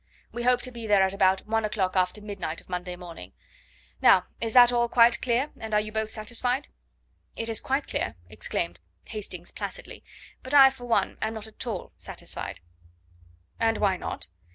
We hope to be there at about one o'clock after midnight of Monday morning. Now, is all that quite clear, and are you both satisfied?" "It is quite clear," exclaimed Hastings placidly; "but I, for one, am not at all satisfied." "And why not?"